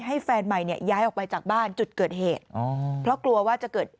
แฟนใหม่เนี่ยย้ายออกไปจากบ้านจุดเกิดเหตุอ๋อเพราะกลัวว่าจะเกิด